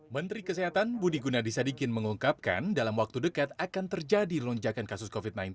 menteri kesehatan budi gunadisadikin mengungkapkan dalam waktu dekat akan terjadi lonjakan kasus covid sembilan belas